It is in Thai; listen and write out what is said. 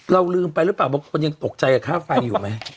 ลืมไปหรือเปล่าบางคนยังตกใจกับค่าไฟอยู่ไหม